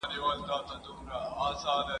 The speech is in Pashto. دا دریمه ده له درده چي تاویږي ..